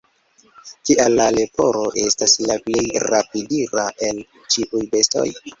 Kial la leporo estas la plej rapidira el ĉiuj bestoj?